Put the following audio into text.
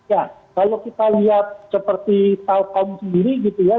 ya kalau kita lihat seperti telkom sendiri gitu ya